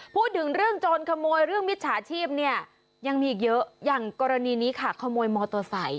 พูดถึงเรื่องโจรขโมยเรื่องมิจฉาชีพเนี่ยยังมีอีกเยอะอย่างกรณีนี้ค่ะขโมยมอเตอร์ไซค์